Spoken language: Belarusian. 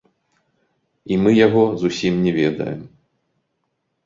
І мы яго зусім не ведаем.